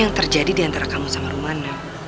yang terjadi diantara kamu sama romana